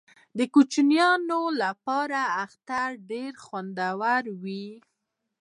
د کوچنیانو لپاره اختر ډیر خوندور وي.